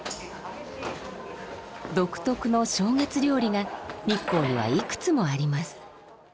独特の正月料理が日光にはいくつもあります。